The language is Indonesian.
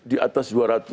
di atas dua ratus